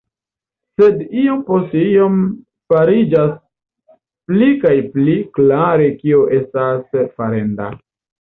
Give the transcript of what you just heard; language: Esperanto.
Sed iom post iom fariĝas pli kaj pli klare kio estas farenda.